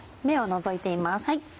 芽を除いています。